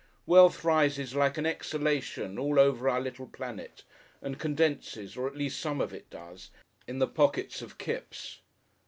Wealth rises like an exhalation all over our little planet, and condenses, or at least some of it does, in the pockets of Kipps.